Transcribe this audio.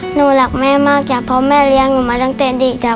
หนูรักแม่มากจ้ะเพราะแม่เลี้ยงหนูมาตั้งแต่เด็กจ้